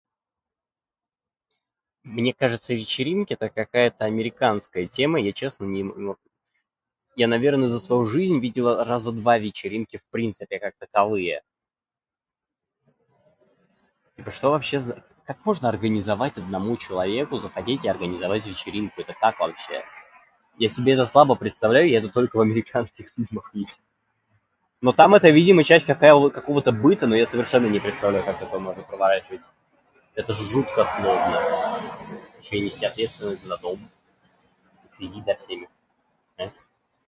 Мне кажется, вечеринки - это какая-то американская тема. Я честно не, ну, я, наверное, за свою жизнь видел раза два вечеринки в принципе как таковые. Что вообще за? Как можно организовать одному человеку захотеть организовать вечеринку. Это как вообще? Я себе это слабо представляю. Я это только в американских фильмах видел. Но там это, видимо, часть какая вот какого-то быта. Я себе совершенно не представляю, как такое можно проворачивать. Это же жутко сложно. Ещё и нести ответственность за дом. Следить за всеми. [unintelligible]